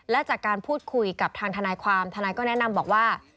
และจากการพูดคุยกับทางทนายความทนายก็แนะนำบอกว่า